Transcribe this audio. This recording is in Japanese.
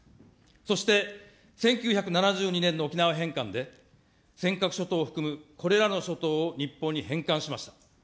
そして１９７２年の沖縄返還で、尖閣諸島を含むこれらの諸島を日本に返還しました。